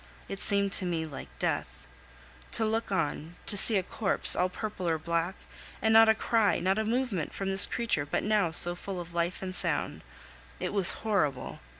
It seemed to me like death. To look on, to see a corpse, all purple or black, and not a cry, not a movement from this creature but now so full of life and sound it was horrible!